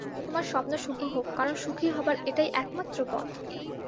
তোমার স্বপ্ন শুভ হোক, কারণ সুখী হবার এটাই একমাত্র পথ।